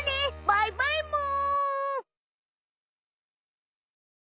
バイバイむ。